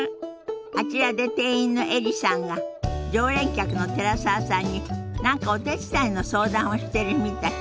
あちらで店員のエリさんが常連客の寺澤さんに何かお手伝いの相談をしてるみたい。